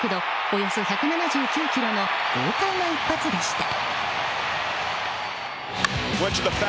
およそ１７９キロの豪快な一発でした。